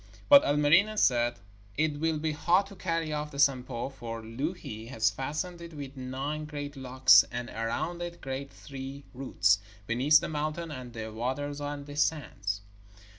But Ilmarinen said: 'It will be hard to carry off the Sampo, for Louhi has fastened it with nine great locks, and around it grow three roots, beneath the mountain and the waters and the sands.'